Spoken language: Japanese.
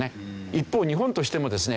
一方日本としてもですね